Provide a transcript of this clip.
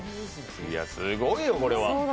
すごいよ、これは。